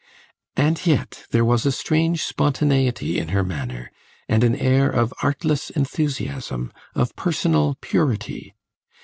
And yet there was a strange spontaneity in her manner, and an air of artless enthusiasm, of personal purity.